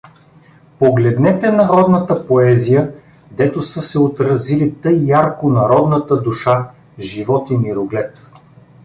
Погледнете народната поезия, дето са се отразили тъй ярко народната душа, живот и мироглед.